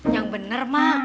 yang bener mak